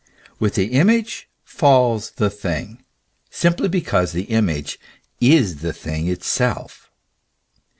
With the image falls the thing, simply because the image is the thing itself.